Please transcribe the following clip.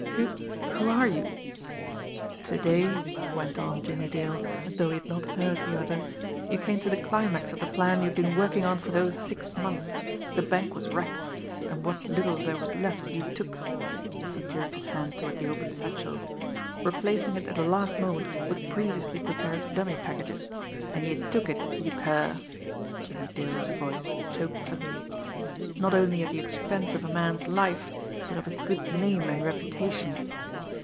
"Who who are you?" "To day," went on Jimmie Dale, as though he had not heard the other, "you came to the climax of the plan you had been working on for those six months the bank was wrecked and what little there was left you took" he jerked his hand toward the open satchel "replacing it at the last moment with previously prepared dummy packages. And you took it, you cur" Jimmie Dale's voice choked suddenly "not only at the expense of a man's life, but of his good name and reputation.